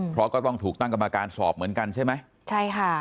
เพราะก็ต้องถูกตั้งกรรมการสอบเหมือนกันใช่ไหมใช่ค่ะ